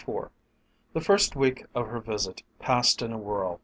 IV The first week of her visit passed in a whirl.